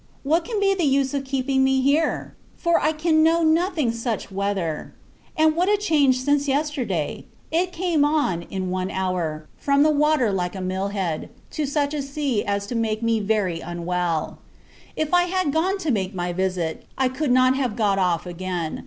What can be the use of keeping me here? for, I can know nothing such weather; and, what a change since yesterday! It came on, in one hour, from the water like a mill head, to such a sea as to make me very unwell. If I had gone to make my visit, I could not have got off again.